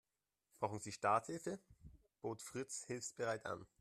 Brauchen Sie Starthilfe?, bot Fritz hilfsbereit an.